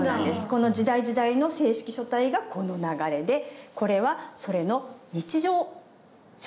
この時代時代の正式書体がこの流れでこれはそれの日常書体として生まれたものなんですね。